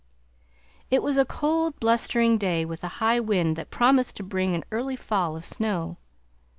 It was a cold blustering day with a high wind that promised to bring an early fall of snow.